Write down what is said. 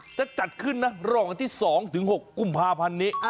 จะจัดขึ้นนะรองวันที่๒๖กุมภาพันธ์นี้